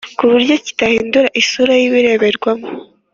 kuburyo kitahindura isura y’ibireberwamo